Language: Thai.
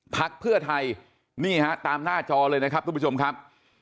พักเพื่อไทยนี่ฮะตามหน้าจอเลยนะครับทุกผู้ชมครับ